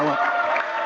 silahkan tanya saja